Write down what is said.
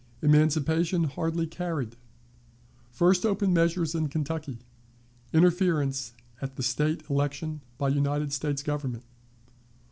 Emancipation hardly carried. First Open Measures in Kentucky. Interference at the State Election by the United States Government.